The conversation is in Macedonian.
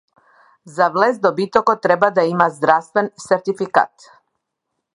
За влез добитокот треба да има здравствен сертификат